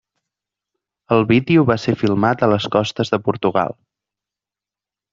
El vídeo va ser filmat a les costes de Portugal.